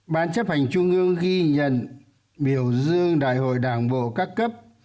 ban chấp hành trung ương ghi nhận biểu dương đại hội đảng bộ các cấp